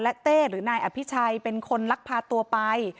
เต้หรือนายอภิชัยเป็นคนลักพาตัวไป